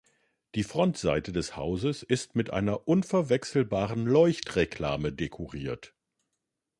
Die Frontseite des Hauses ist mit einer unverwechselbaren Leuchtreklame dekoriert.